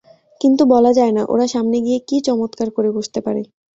কিন্তু বলা যায় না ওরা সামনে গিয়ে কী চমৎকার করে বসতে পারে।